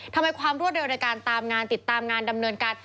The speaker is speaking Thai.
ทำไมความรวดเร็วในการตามงานติดตามงานดำเนินการ